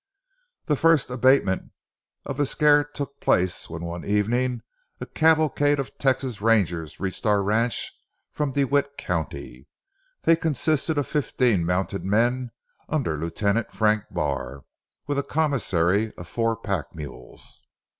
The first abatement of the scare took place when one evening a cavalcade of Texas Rangers reached our ranch from DeWitt County. They consisted of fifteen mounted men under Lieutenant Frank Barr, with a commissary of four pack mules.